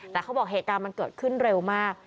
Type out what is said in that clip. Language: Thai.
แต่เขาบอกเหตุการณ์มันเกิดขึ้นเร็วมาก